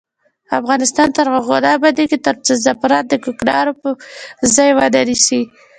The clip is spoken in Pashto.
افغانستان تر هغو نه ابادیږي، ترڅو زعفران د کوکنارو ځای ونه نیسي.